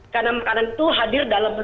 karena makanan itu hadir dalam berkualitas